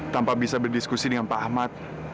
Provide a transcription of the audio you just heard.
tanpa bisa berdiskusi dengan pak ahmad